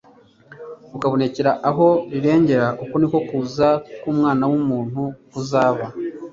ukabonekera aho rirengera, uko niko kuza k'Umwana w'umuntu kuzaba."